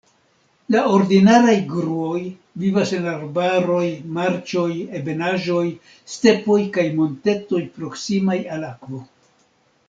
La ordinaraj gruoj vivas en arbaroj, marĉoj, ebenaĵoj, stepoj kaj montetoj proksimaj al akvo.